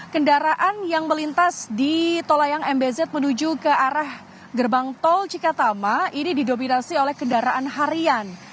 kendaraan yang melintas di tol layang mbz menuju ke arah gerbang tol cikatama ini didominasi oleh kendaraan harian